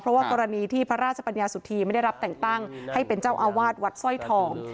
เพราะว่ากรณีที่พระราชปัญญาสุธีไม่ได้รับแต่งตั้งให้เป็นเจ้าอาวาสวัดสร้อยทอง